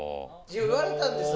言われたんです。